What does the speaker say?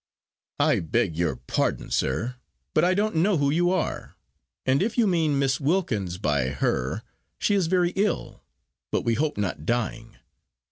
"I beg your pardon, sir, but I don't know who you are; and if you mean Miss Wilkins, by 'her,' she is very ill, but we hope not dying.